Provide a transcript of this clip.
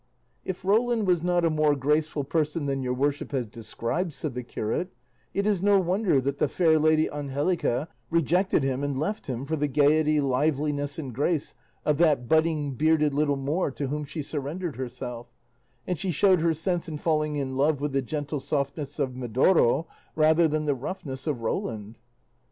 "If Roland was not a more graceful person than your worship has described," said the curate, "it is no wonder that the fair Lady Angelica rejected him and left him for the gaiety, liveliness, and grace of that budding bearded little Moor to whom she surrendered herself; and she showed her sense in falling in love with the gentle softness of Medoro rather than the roughness of Roland."